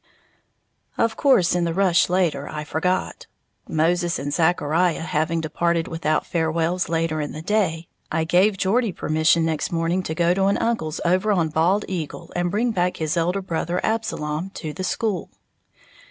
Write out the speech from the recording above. Of course in the rush later I forgot it. Moses and Zachariah having departed without farewells later in the day, I gave Geordie permission next morning to go to an uncle's over on Bald Eagle and bring back his elder brother, Absalom, to the school.